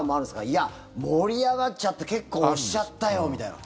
いや、盛り上がっちゃって結構押しちゃったよみたいな。